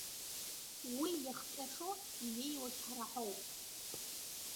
Уи иахҟьашо инеиуагь ҳара ҳоуп.